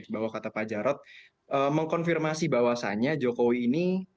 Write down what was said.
bahwa kata pak jarod mengkonfirmasi bahwasannya jokowi ini